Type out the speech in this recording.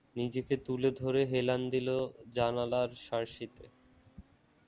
নিজেকে তুলে ধরে হেলান দিল জানালার শার্সিতে।